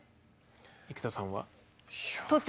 生田さんは？いや。